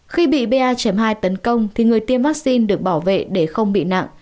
khi bị ba hai tấn công thì người tiêm vaccine được bảo vệ để không bị nặng